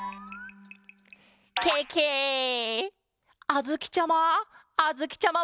あづきちゃま！